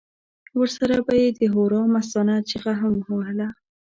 ورسره به یې د هورا مستانه چیغه هم وهله.